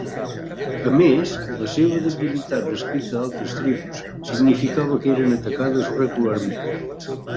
A més, la seva debilitat respecte a altres tribus significava que eren atacades regularment.